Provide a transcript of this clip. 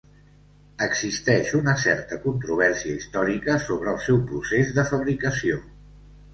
Existeix una certa controvèrsia històrica sobre el seu procés de fabricació.